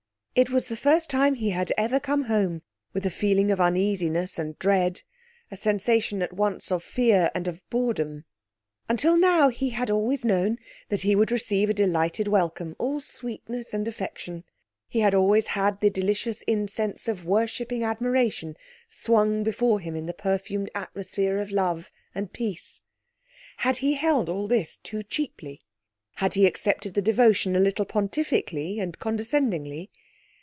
It was the first time he had ever come home with a feeling of uneasiness and dread; a sensation at once of fear and of boredom. Until now he had always known that he would receive a delighted welcome, all sweetness and affection. He had always had the delicious incense of worshipping admiration swung before him in the perfumed atmosphere of love and peace. Had he held all this too cheaply? Had he accepted the devotion a little pontifically and condescendingly?